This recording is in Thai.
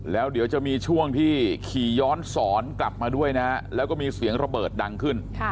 แล้วเดี๋ยวจะมีช่วงที่ขี่ย้อนสอนกลับมาด้วยนะแล้วก็มีเสียงระเบิดดังขึ้น